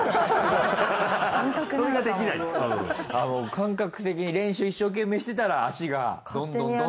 感覚的に練習一生懸命してたら足がどんどんどんどん。